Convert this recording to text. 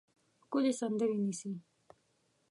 ښکلې سندرې نیسي